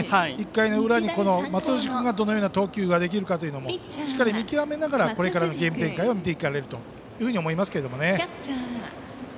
１回の裏に、松藤君がどのような投球ができるかもしっかり見極めながらこれからのゲーム展開を見ていかれると思いますけどね。